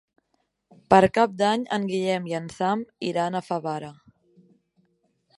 Per Cap d'Any en Guillem i en Sam iran a Favara.